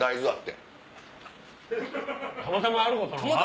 たまたまあることなんか。